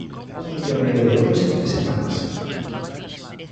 Un millón e medio de euros en tres semanas.